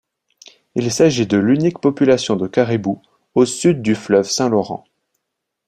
Il s'agit de l'unique population de caribous au sud du fleuve Saint-Laurent.